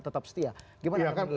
tetap setia bagaimana anda menilai itu